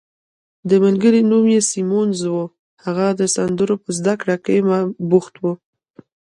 د ملګري نوم یې سیمونز وو، هغه د سندرو په زده کړه بوخت وو.